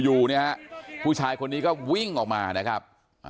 อยู่พูดชายคนนี้ก็วิ้งออกมานะครับ